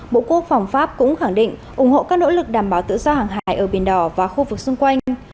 bộ quốc phòng pháp cũng khẳng định ủng hộ các nỗ lực đảm bảo tự do hàng hải ở biển đỏ và khu vực xung quanh